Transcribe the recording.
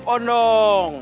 jan jalan dong